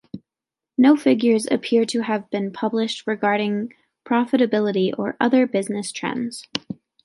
No figures appear to have been published regarding profitability or other business trends.